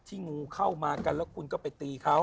งูเข้ามากันแล้วคุณก็ไปตีเขา